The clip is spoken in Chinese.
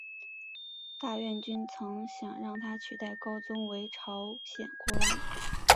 大院君曾想让他取代高宗为朝鲜国王。